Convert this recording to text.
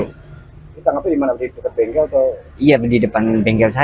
ditangkapnya dimana di dekat bengkel atau